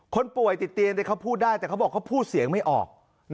คนป่วยติดเตียงเขาพูดได้แต่เขาบอกเขาพูดเสียงไม่ออก